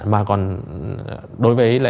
mà còn đối với sản phẩm